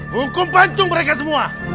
hukum pancung mereka semua